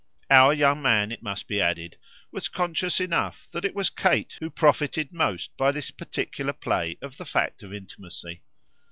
Our young man, it must be added, was conscious enough that it was Kate who profited most by this particular play of the fact of intimacy.